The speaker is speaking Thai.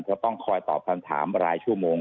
เพราะต้องคอยตอบคำถามหลายชั่วโมง